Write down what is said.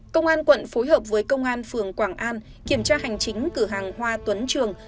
công an quận phối hợp với công an phường quảng an kiểm tra hành chính cửa hàng hoa tuấn trường